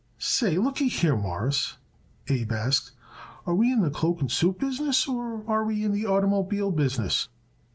"Say, lookyhere, Mawruss," Abe asked, "are we in the cloak and suit business or are we in the oitermobile business?